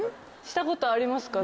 したことありますか？